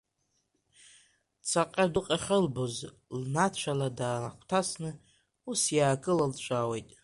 Цаҟьа дук ахьылбоз, лнацәала днагәҭасны ус иаакылылҵәауеит.